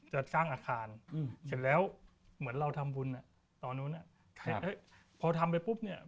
จะสร้างอาคารเสร็จแล้วเหมือนเราทำบุญตอนนั้น